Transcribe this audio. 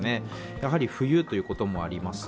やはり冬ということもあります。